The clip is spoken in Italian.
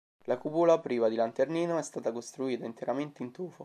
La cupola, priva di lanternino, è stata costruita interamente in tufo.